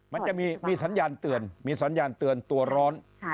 มันจะมีสัญญาณเตือนมีสัญญาณเตือนตัวร้อน